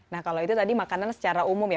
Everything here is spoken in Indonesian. nah kalau itu tadi makanan secara umum ya